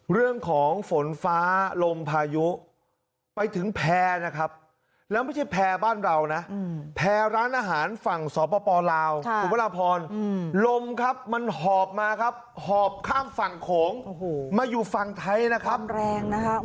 เรื่องของฝนฟ้าลมพายุไปถึงแพร่นะครับแล้วไม่ใช่แพร่บ้านเรานะแพรร้านอาหารฝั่งสปลาวคุณพระราพรลมครับมันหอบมาครับหอบข้ามฝั่งโขงมาอยู่ฝั่งไทยนะครับแรงนะครับ